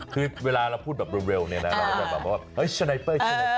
คือเวลาเราพูดเร็วเราจะแบบว่าเอ้ยสไนเปอร์สไนเปอร์